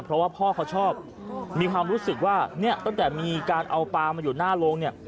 เพราะว่าพ่อเขาชอบมีความรู้สึกว่าเนี่ยตั้งแต่มีการเอาปลามาอยู่หน้าโรงเนี่ย